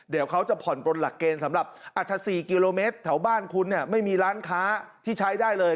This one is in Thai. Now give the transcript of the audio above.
เดี๋ยวเขาจะผ่อนปลนหลักเกณฑ์สำหรับอาจจะ๔กิโลเมตรแถวบ้านคุณเนี่ยไม่มีร้านค้าที่ใช้ได้เลย